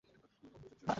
হয়েছে, বাছা।